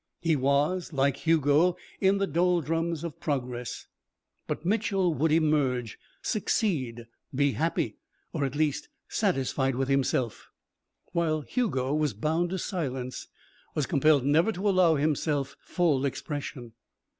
He was, like Hugo, in the doldrums of progress. But Mitchel would emerge, succeed, be happy or at least satisfied with himself while Hugo was bound to silence, was compelled never to allow himself full expression.